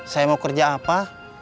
saya mau kerja apa